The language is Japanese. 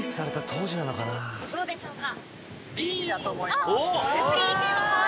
どうでしょうか？